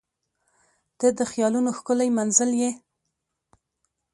• ته د خیالونو ښکلی منزل یې.